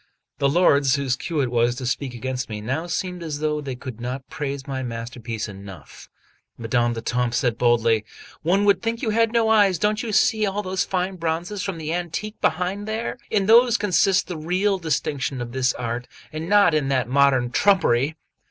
The lords whose cue it was to speak against me, now seemed as though they could not praise my masterpiece enough. Madame d'Etampes said boldly: "One would think you had no eyes! Don't you see all those fine bronzes from the antique behind there? In those consists the real distinction of this art, and not in that modern trumpery."